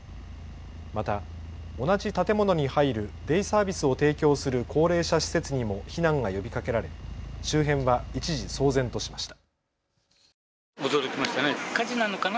また同じ建物に入るデイサービスを提供する高齢者施設にも避難が呼びかけられ周辺は一時騒然としました。